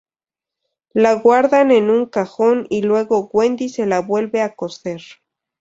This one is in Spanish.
La guardan en un cajón y luego Wendy se la vuelve a coser.